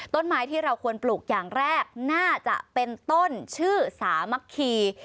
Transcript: ต้นไม้ที่เราควรปลูกอย่างแรกน่าจะเป็นต้นชื่อสามัคคี